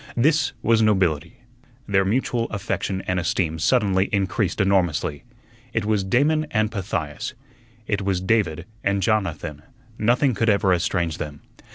This was nobility. Their mutual affection and esteem suddenly increased enormously. It was Damon and Pythias; it was David and Jonathan; nothing could ever estrange them.